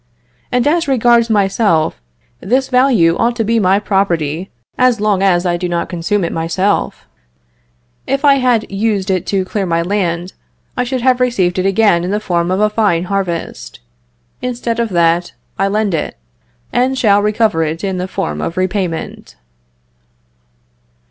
And as regards myself, this value ought to be my property, as long as I do not consume it myself; if I had used it to clear my land, I should have received it again in the form of a fine harvest. Instead of that, I lend it, and shall recover it in the form of repayment.